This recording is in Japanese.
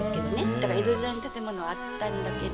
だから江戸時代に建物はあったんだけども。